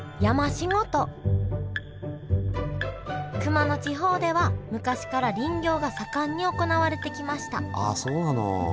熊野地方では昔から林業が盛んに行われてきましたああそうなの。